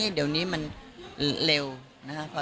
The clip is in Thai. เดี๋ยวนี้มันเร็วนะครับ